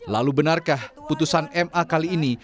lalu benarkah putusan ma kali ini